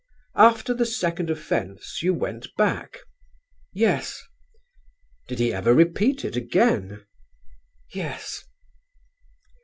"After the second offence you went back?" "Yes." "Did he ever repeat it again?" "Yes."